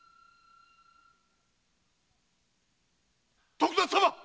・徳田様っ！